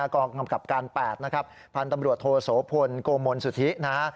กรองมันกรับการ๘นะครับพันธุ์ตำรวจโศพลกโมนสุธินะฮะ